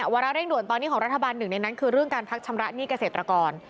วาระเร่งด่วนตอนนี้ของรัฐบาลหนึ่งในนั้นคือเรื่องการพักชำระหนี้เกษตรกร